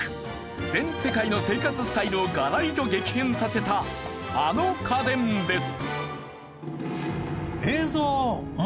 全世界の生活スタイルをガラリと激変させたあの家電です。